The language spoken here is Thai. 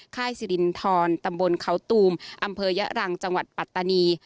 ค่ายสิรินทรตำบลเขาตูมอำเภอยะรังจังหวัดปัตตานี